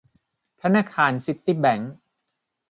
ธนาคารซิตี้แบงค์